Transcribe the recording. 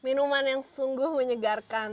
minuman yang sungguh menyegarkan